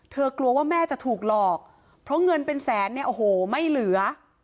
กลัวว่าแม่จะถูกหลอกเพราะเงินเป็นแสนเนี่ยโอ้โหไม่เหลือ